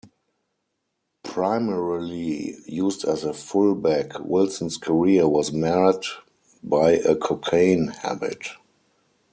Primarily used as a fullback, Wilson's career was marred by a cocaine habit.